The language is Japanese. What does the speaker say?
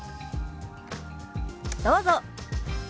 どうぞ。